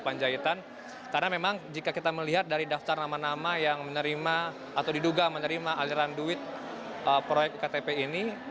dan juga dari daftar nama nama yang menerima aliran duit proyek iktp ini